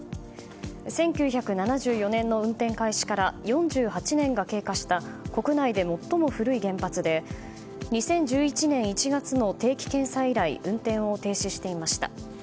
１９７４年の運転開始から４８年が経過した国内で最も古い原発で２０１１年１月の定期検査以来運転を停止していました。